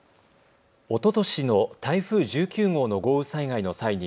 おととしの台風１９号の豪雨災害の際に